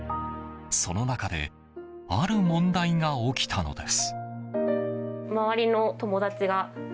その中である問題が起きたのです。